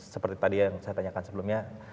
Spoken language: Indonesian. seperti tadi yang saya tanyakan sebelumnya